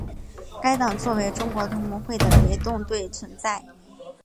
该党作为中国同盟会的别动队存在。